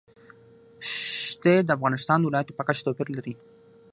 ښتې د افغانستان د ولایاتو په کچه توپیر لري.